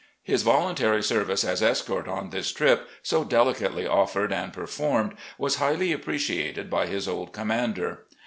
His voluntary service as escort on this trip, so delicately offered and performed, was highly appreciated by his old commander.